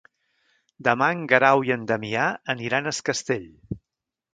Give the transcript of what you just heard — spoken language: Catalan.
Demà en Guerau i en Damià aniran a Es Castell.